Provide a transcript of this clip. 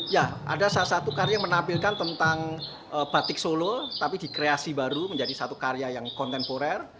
ya ada salah satu karya yang menampilkan tentang batik solo tapi dikreasi baru menjadi satu karya yang kontemporer